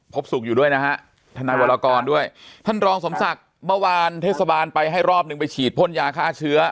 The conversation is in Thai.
พบสุขอยู่ด้วยนะฮะทนายวรกรด้วยท่านรองสมศักดิ์เมื่อวานเทศบาลไปให้รอบหนึ่งไปฉีดพ่นยาฆ่าเชื้อ